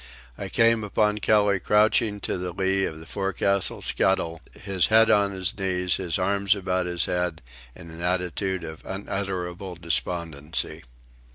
I came upon Kelly crouching to the lee of the forecastle scuttle, his head on his knees, his arms about his head, in an attitude of unutterable despondency.